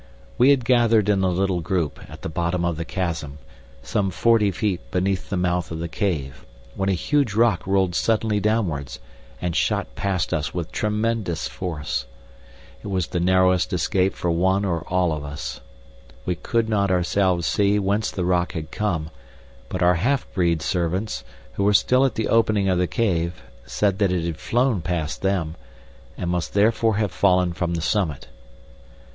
We had gathered in a little group at the bottom of the chasm, some forty feet beneath the mouth of the cave, when a huge rock rolled suddenly downwards and shot past us with tremendous force. It was the narrowest escape for one or all of us. We could not ourselves see whence the rock had come, but our half breed servants, who were still at the opening of the cave, said that it had flown past them, and must therefore have fallen from the summit.